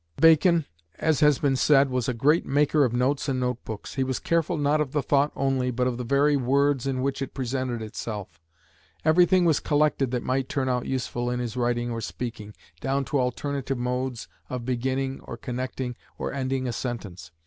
Bacon, as has been said, was a great maker of notes and note books: he was careful not of the thought only, but of the very words in which it presented itself; everything was collected that might turn out useful in his writing or speaking, down to alternative modes of beginning or connecting or ending a sentence.